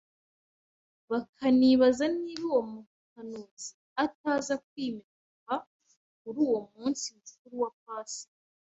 bakanibaza niba uwo muhanuzi ataza kwimikwa kuri uwo munsi mukuru wa Pasika